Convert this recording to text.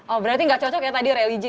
oh berarti gak cocok kayak tadi religi ya